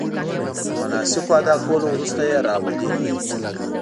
د مناسکو ادا کولو وروسته یې راولي.